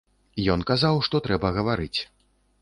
Ён казаў, што трэба гаварыць.